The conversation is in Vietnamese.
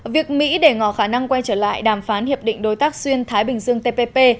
việc mỹ để ngỏ khả năng quay trở lại đàm phán hiệp định đối tác xuyên thái bình dương tpp